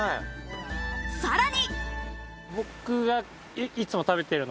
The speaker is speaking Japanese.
さらに。